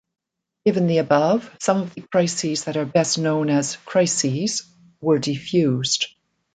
Given the above, some of the crises that are best-known "as crises" were defused.